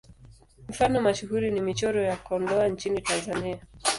Mfano mashuhuri ni Michoro ya Kondoa nchini Tanzania.